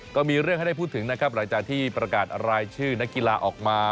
ก็มีเรื่องให้ได้พูดถึงนะครับหลังจากที่ประกาศรายชื่อนักกีฬาออกมา